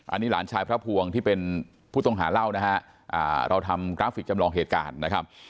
อันนี้หลานชายพระภวงที่เป็นผู้ต้องหาเล่านะฮะเราทำกราฟิกจำลองเหตุการณ์นะครับ